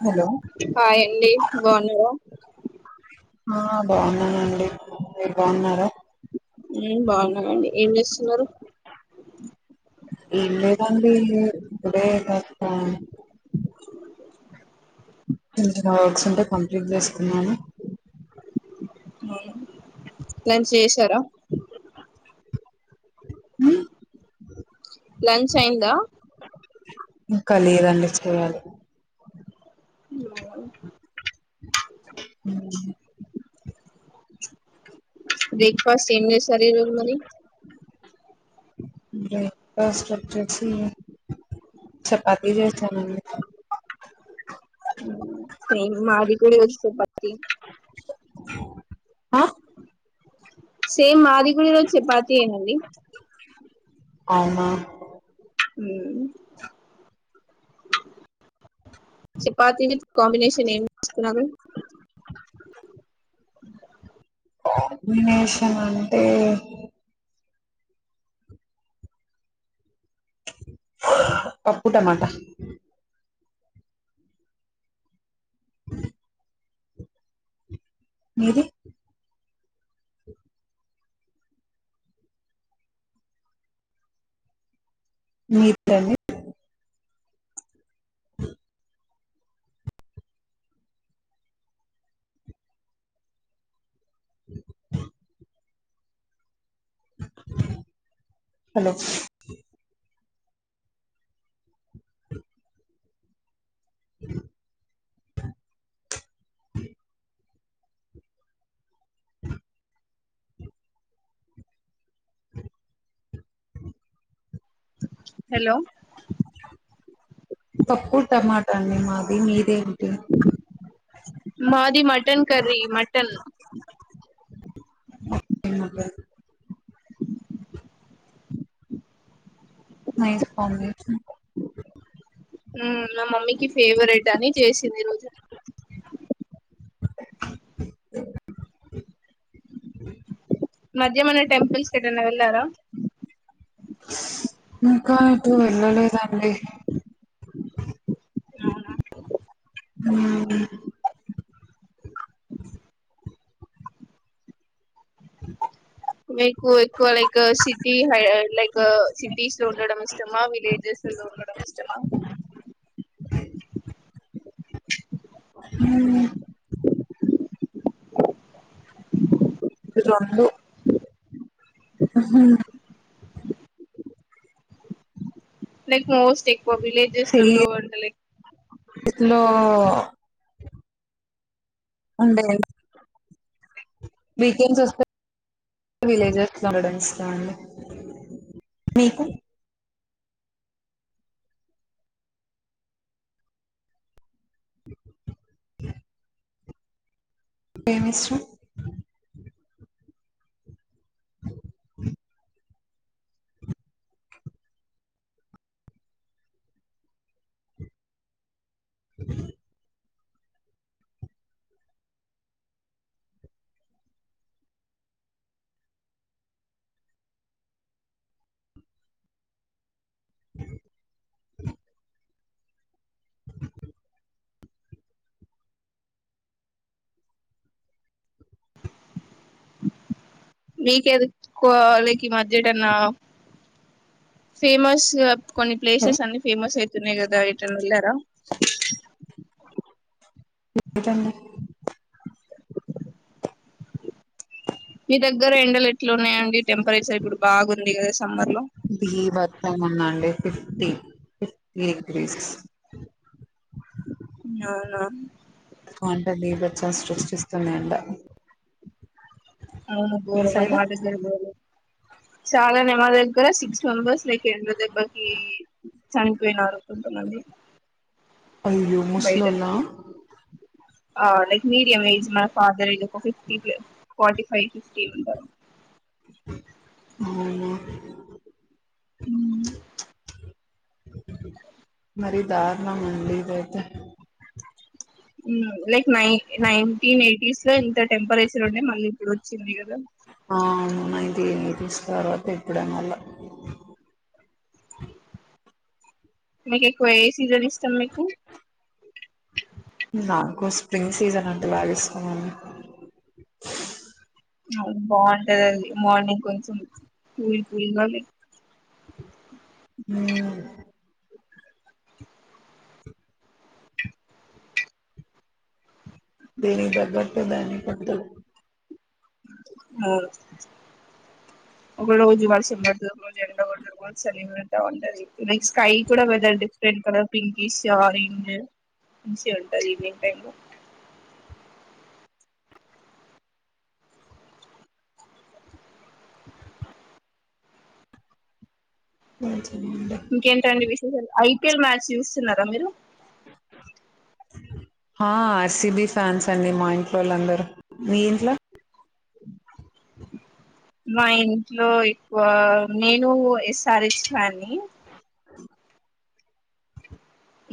Hello hi అండి బాగున్నారా ఆ బాగున్నానండి మీరు బాగున్నారా బాగున్నాదండి ఏం చేస్తున్నారు ఇన్నిగాంది కుడే కా న చిిన వర్క్స్ ఉంటే కంప్లీట్ చేస్తున్నాను మవు లంచ్ చేసారా హ లంచ్ అయిందా ఇంకాలిదండి చేయ్యాలి ఉమ్, ఉ బ్రేక్ఫాస్ట్ ఏంని సర రోజ మరి బస్జసి చపాత చే ఉమ్, సేమ్ మాది కూడా ఈరోజు చపాతి ఆ సే మ అది గు ఇరో చపాతతి అనది అమ హ చపాాతిీ వి కాంబినేషన్ ఏం చేసుకున్నారు వినేశన్ అంటే పప్పు టమాటా మీది మీరుని అ హలో హలో పప్పు టమాటా అని మాది మీదేంటి మది మాటి మటన్ కర్రీ మటన్ అ న ఫ ఉ నా మమ్మీకి ఫేవరెట్ అని చేసింది ఈ రోజు మధ్య మన టెంపుల్స్ ఎటువైనా వెళ్ళారా ఇంకా ఎటు వెళ్లలేదు ఆన్ డి అవునా ఉమ్ మీకు ఎక్కువ లైక్ సిటీ హై లైక్ సిటీస్ లో ఉండడం ఇష్టమా విలేజెస్ లో ఉండడం ఇష్టమా అ ఉమ్ [unintelligible] ఉహు [unintelligible] నెక్ మోస్ట్ ఎక్కువ విలేజెస్ లలో అంటే లైక్ ఇతనో ఉండే వీకెండ్స్ వస్తే, విలేజెస్ కీ వెళ్ళడం ఇస్తామండి, మీకు [unintelligible] ఏం ఇష్టం [unintelligible] అ [unintelligible] మీక ఎదుర్కోవాలికి, మధ్యన ఫేమస్ కొన్ని ప్లేసెస్ అన్ని ఫేమస్ అయితున్నాయి, కదా ఎటైనా వెళ్లారా. [unintelligible] మీ దగ్గర ఎండలు ఎట్లా ఉన్నాయండి టెంపరేచర్ ఇప్పుడు బాగుంది. ఉడిగా బి వసం ఉందండి, ఫిఫ్టీ ఫిఫ్టీ గ్రీస్ ఆవునా అంటే బీభత్సం సృష్టిస్తుంది [unintelligible] అవును మీ పోరు సైడ్ మాట సరు పోరు చాలా నెమాదిగ్గరా సిక్స్ మెంబర్స్ లైక్ ఎండ్ర దెబ్బకి చనిపోయినారుకుంటున్నది. అయ్యో ముసలోల్ల ఆ లక్ మీడియం ఏజ్ మన ఫాదర్, ఇది ఒక ఫిఫ్టీ ప్, ఫార్టీ ఫైవ్ ఫిఫ్టీ ఉంటారు. [unintelligible] ఆవునా ఉమ్. మరి దార్ల మండి అయితే లైక్ నై నైన్టీన్ ఎయిటీస్ లో, ఇంత టెంపరేచర్ ఉండే మళ్ళీ ఇప్పుడు వచ్చింది. కదా ఆ అవుయి. త తీసిన తర్వాత ఇప్పుడే మళ్ళ మీకు ఎక్కువ ఏ సీజన్ ఇష్టం మీకు నాకు స్ప్రింగ్ సీజన్ అంటే బాగా ఇష్టమండి. బాగుంటది. అది మార్నింగ్ కొంచెం కూూల్ కూూల్గా అ తని తగ్గట్టు, దాని పొత్తు ఒక రోజు వర్షం పడుతది, రోజు ఎండ కొడుతది, ఒకరోజు చలి ఉంటది, లైక్ స్కై కూడా weather different colour pinkish orange మంచి ఉంటది, ఈవినింగ్ టైమ్ లో అ ఇంకే తండడి వి ఐపీఎల్ మ్యాచ్ చూస్తున్నారా మీరు ఆ ఆర్సిబి ఫ్యాన్స్ అండి మా ఇంట్లో వాళ్ళ అందరుూ మీ ఇంట్లో మా ఇంట్లో ఎక్కువ నేను ఎస్ఆర్ ఇష్టాన్ని అ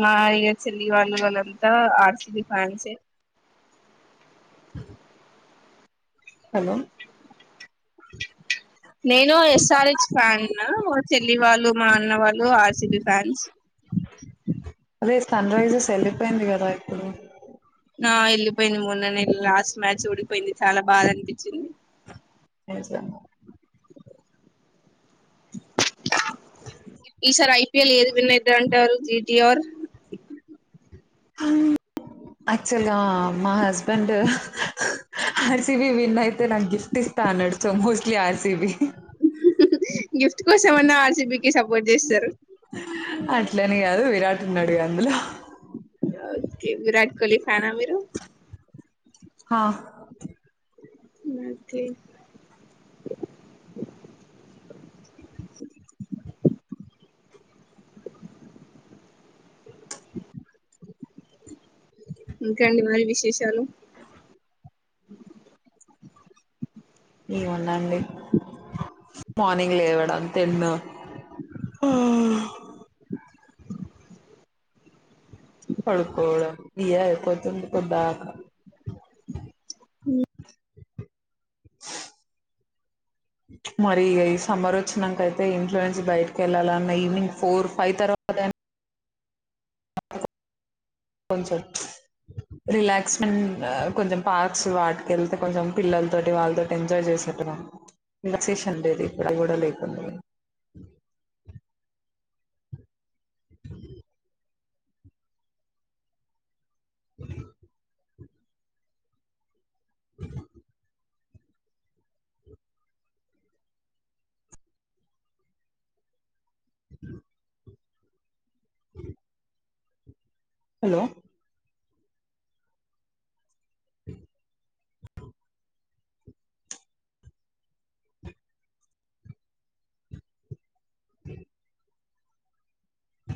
మా ఇక చెల్లి వాళ్ళు వాళ్ళంతా ఆర్సిది ఫ్యాన్సే హలో నేను ఎస్ఆర్హెచ్ ఫ్యాన్న్నా మా చెల్లి వాళ్ళు మా అన్న వాళ్ళు ఆర్సిబి ఫ్యాన్స్ సన రైజెస్ వెళ్ళిపోయింది కదా ఇప్పుడు ఆ వెళ్ళిపోయింది మూడు లాస్ట్ మ్యాచ్ ఓడిపోయింది చాలా బాధ అనిపించింది స స ఈసారి ఐపీఎల్ ఏది విన్న ఇద్ద అంటారు జటి యాక్చువల్గా మా హస్బెండ్ ఆర్సిబి విన్ అయితే నాకు గిఫ్ట్ ఇస్తా అన్నడుచో మోస్ట్లీ ఆర్సిబి గిఫ్ట్ కోసమన్నా ఆర్సి బ సపోర్ట్ చేస్తారు అట్లనే కాదు విరాట్ అడుగా అందులో ఓకే విరాట్ కోహలీ ఫ్యాన్ మీరు హా మ ఇంకాండి మాాల విశేషాలు ఏమన్నాండి మార్నింగ్ లేవడం తిన్న కడుకోళ బియా ఎకుతు కుబాకా మరి ఈ సమ్బర్ వచ్చినాకైతే ఇంట్లో నుంచి బయటికి వెళ్ళాలన్న ఈవినింగ్ ఫోర్ ఫైవ్ తర్వాతయినా కొంచెం రిలాక్స్మెంట్ కొంచెం పార్క్స్ వాటిక వెళ్తే కొంచెం పిల్లలతోటి వాళ్ళతోటి ఎంజాయ్ చేసేట రిలాక్సేషన్ అండేది ఇక్కడ కూడా లేకుడా అ అ ఇ హలో అ అ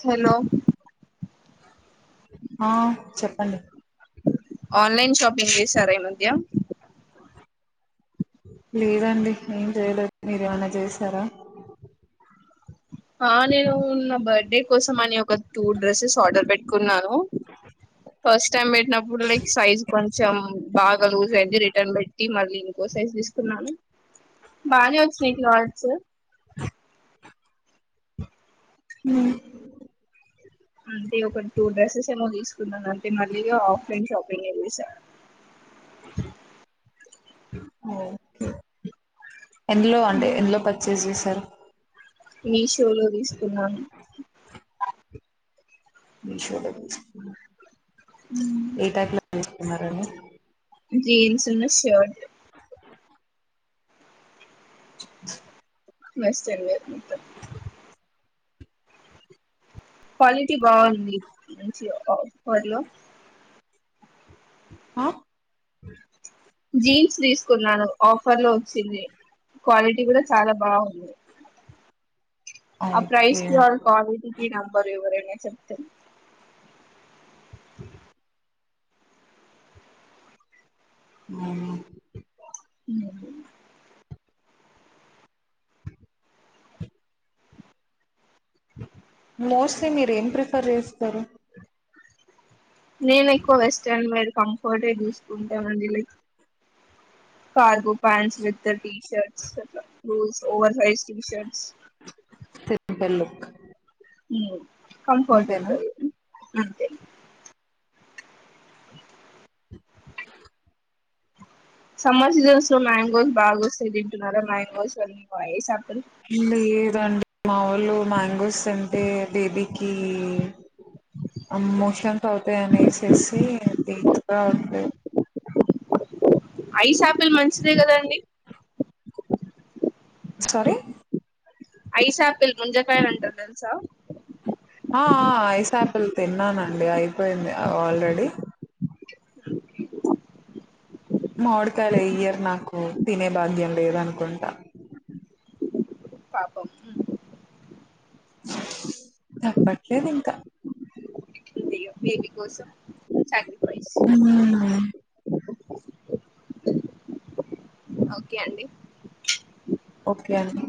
హలో ఆ చెప్పండి ఆన్లైన్ షాపిింగ్ విసారై మద్య లేదండి ఏం చేయలేదు మీరేమనా చేశారా ఆ నేను నా బర్డే కోసం అని ఒక టూ డ్రెస్సెస్ ఆర్డర్ పెట్టుకున్నాను ఫస్ట్ టైం పెట్టినప్పుడు లైక్ సైజ్ కొంచెం బాగా లూజ్ అయింది రిటర్న్ పెట్టి టి మళ్ళీ ఇంకో సైజు తీసుకున్నాను బానే వచ్చిన క లోస్ హ అంటే ఒక టూ డ్రెస్సెస్ ఏమో తీసుకున్నాను అంటే మళ్ళీగా ఆఫ్లైన్ షాపింగ్ ఏ చేసాను అఓ ఎందులో అంటే ఎందులో పచేస క్క ఈ షో లో తీసుకున్నాను ఇషాలాసి ఏ ట న్నరడి జీన్స్ ఉన్న షర్ట్ మస్త అండి క్వాలిటీ బాగుంది మంచిపరిలో ఆ జీన్స్ తీసుకున్నాను ఆఫర్ లో వచ్చింది క్వాలిటీ కూడా చాలా బాగుంది ఓకే ప్రైస్ క క్వాలిటీ క న బరవర న చెతే అ అ మోస్ట్లీ మీరేం ప్రిఫర్ చేస్తారు నేను ఎక్కువ వెస్టర్న్ మీే కంఫర్ట్ే చూసుకుంటామడి like cargo pants with T shirts అ రూస్ ఓవర్ సైజ్ టీషర్ట్స్ తెల్లుక్ హ కంఫర్ట్ ఉంట అంతే సమ్మర్ సీజన్స్ లో మ్యాంగోవ్స్ బాగా వస్తే తింటున్నారు మ్యాంగోవ్ అన్నా ఇ అండి మాముూలు మ్యాంగోస్ అంటే బేబీకి అమోషంంత అవుతాయ అనేససి ఏఓ ఐస్ ఆపిల్ మంచిదే కదాండి సరిీ ఐస్ ఆపిిల్ ముంజకాయ అంట సా ఆ ఐస్ాపిల్ తిన్నానండి అయిపోయింది ఆల్రెడీ మామిడికాయలు ఎయర్ నాకు తినే భాగ్యం లేదనుకుంటా పాపం తప్పట్లేదు ఇంకా బేబ కోసం చ ఓకే అండి ఓకే అండి